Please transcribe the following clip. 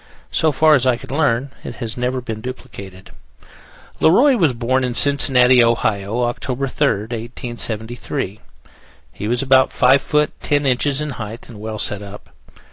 So far as I could learn, it had never been duplicated. Le Roy was born in Cincinnati, Ohio, October 3rd, 1873. He was about 5 feet 10 inches in height, and well set up.